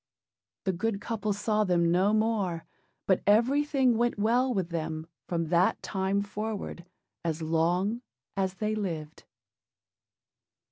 The good couple saw them no more; but everything went well with them from that time forward, as long as they lived.